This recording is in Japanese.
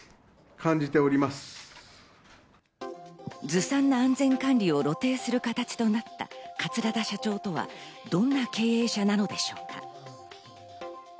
ずさんな安全管理を露呈する形となった桂田社長とはどんな経営者なのでしょうか。